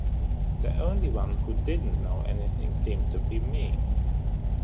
The only one who didn't know anything seemed to be me.